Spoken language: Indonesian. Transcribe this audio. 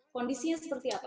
kondisinya seperti apa